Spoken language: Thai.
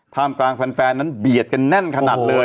กลางแฟนนั้นเบียดกันแน่นขนาดเลย